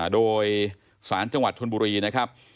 โดยสารจังหวัดชนบุรีนะครับ